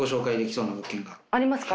ありますか？